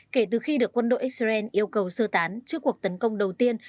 kể từ khi được quân đội israel yêu cầu sơ tán trước cuộc tấn công đầu tiên